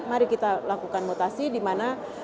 mari kita lakukan mutasi di mana